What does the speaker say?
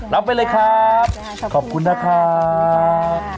รับไปเลยครับขอบคุณนะครับ